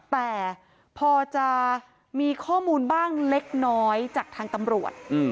แต่พอจะมีข้อมูลบ้างเล็กน้อยจากทางตำรวจ